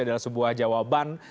adalah sebuah jawaban